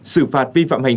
sử phạt vi phạm hành trình